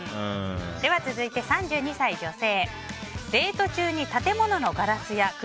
続いて、３２歳、女性。